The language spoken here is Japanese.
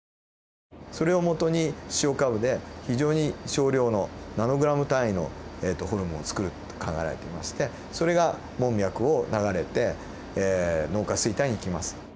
それをもとに視床下部で非常に少量のナノグラム単位のホルモンをつくると考えられていましてそれが門脈を流れて脳下垂体に行きます。